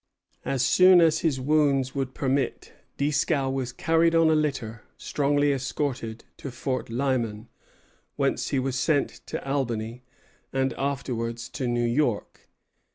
As soon as his wounds would permit, Dieskau was carried on a litter, strongly escorted, to Fort Lyman, whence he was sent to Albany, and afterwards to New York.